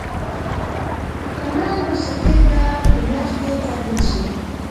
که نه نو سکي به په یخ کې کنګل شي